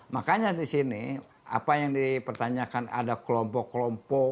makanya disini apa yang dipertanyakan ada kelompok kelompok